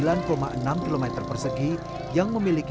yang memiliki sebuah kota yang menarik